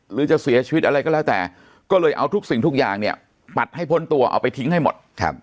หรือจะเสียชีวิตอะไรก็แล้วแต่ก็เลยเอาทุกสิ่งทุกอย่างเนี่ยปัดให้พ้นตัวเอาไปทิ้งให้หมด